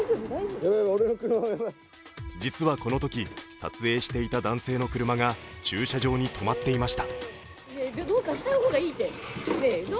実はこのとき、撮影していた男性の車が駐車場に止まっていました。